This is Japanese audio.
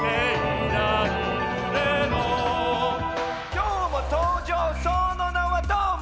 「今日も登場その名はどーも」